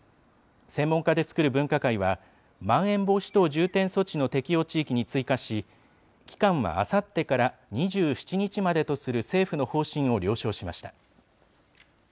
専門家で作る分科会は、まん延防止等重点措置の適用地域に追加し、期間はあさってから２７日までとする、政府の方針を了承しました。